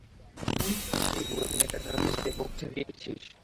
এই যুবতী মেয়েটার জন্যে তুই নিজের বউকে ছেঁড়ে দিয়েছিস?